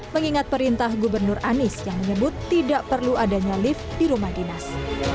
mengingat perintah gubernur anies yang menyebut tidak perlu adanya lift di rumah dinas